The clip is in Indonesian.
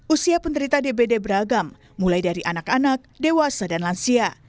usia penderita dbd beragam mulai dari anak anak dewasa dan lansia